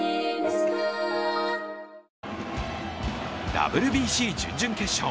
ＷＢＣ準々決勝。